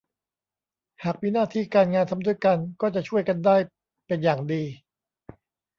หากมีหน้าที่การงานทำด้วยกันก็จะช่วยกันได้เป็นอย่างดี